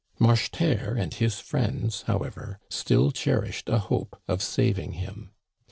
Marcheterre and his friends,. however, still cherished a hope of saving him.